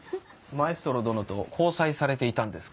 マエストロ殿と交際されていたんですか？